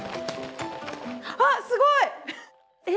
あっすごい！